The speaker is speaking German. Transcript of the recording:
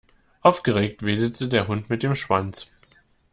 Aufgeregt wedelte der Hund mit dem Schwanz.